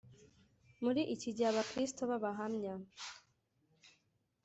Muri iki gihe Abakristo b Abahamya